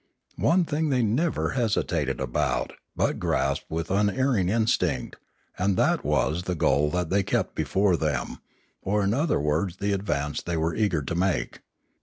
One thing they never hesitated about, but grasped with un erring instinct; and that was the goal that they kept before them, or in other words the advance they were eager to make.